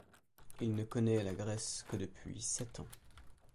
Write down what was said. Il ne connaît la Grèce que depuis sept ans.